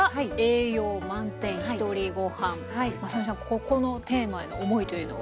ここのテーマへの思いというのは？